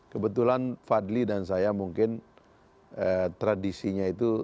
kebetulan fadli dan saya mungkin tradisinya itu